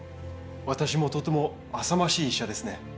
私もとてもあさましい医者ですね。